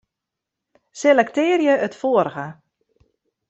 Selektearje it foarige.